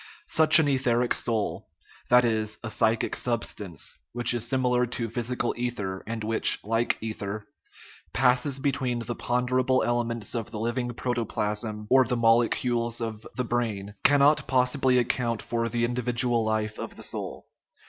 Such an etheric soul that is a psychic sub stance which is similar to physical ether, and which, like ether, passes between the ponderable elements of the living protoplasm or the molecules of the brain, cannot possibly account for the individual life of the soul.